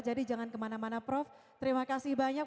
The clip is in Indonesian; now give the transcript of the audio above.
jadi jangan kemana mana prof terima kasih banyak